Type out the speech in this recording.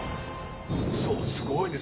そう、すごいです。